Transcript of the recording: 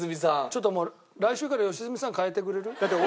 ちょっともう来週から良純さん代えてくれる？